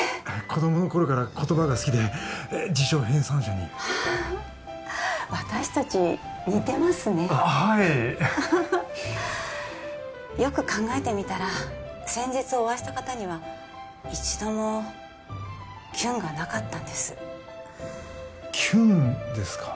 子供の頃から言葉が好きで辞書編纂者に私達似てますねあっはいアハハよく考えてみたら先日お会いした方には一度もキュンがなかったんですキュンですか？